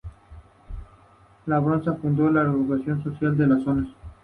En Brozas fundó la Agrupación Socialista de la zona.